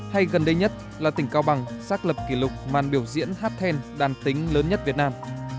hay gần đây nhất là tỉnh cao bằng xác lập kỷ lục màn biểu diễn hát then đàn tính lớn nhất việt nam